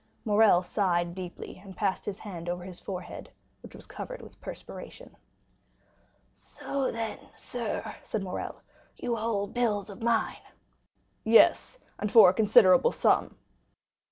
Morrel sighed deeply, and passed his hand over his forehead, which was covered with perspiration. "So then, sir," said Morrel, "you hold bills of mine?" "Yes, and for a considerable sum."